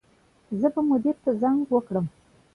زه به مدیر ته زنګ وکړم